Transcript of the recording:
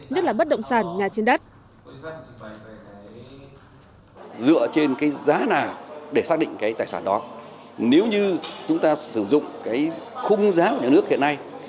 nhất là bất động sản nhà trên đất